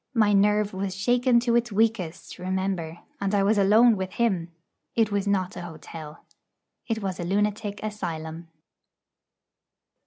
My nerve was shaken to its weakest, remember; and I was alone with him! It was not an hotel. It was a lunatic asylum.